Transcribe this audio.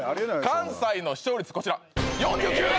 関西の視聴率こちら４９％！